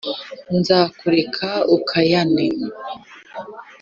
nzakureka ukayane